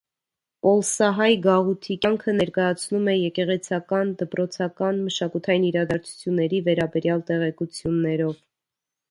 Պոլսահայ գաղութի կյանքը ներկայացնում է եկեղեցական, դպրոցական, մշակութային իրադարձությունների վերաբերյալ տեղեկություններով։